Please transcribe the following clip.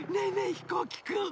ひこうきくん！